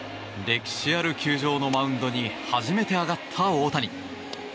歴史ある球場のマウンドに初めて上がった大谷。